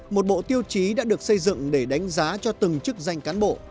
một bộ tiêu chí đã được xây dựng để đánh giá cho từng chức danh cán bộ